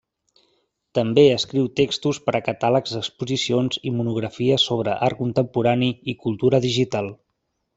També escriu textos per a catàlegs d'exposicions i monografies sobre art contemporani i cultura digital.